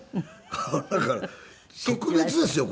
これだから特別ですよ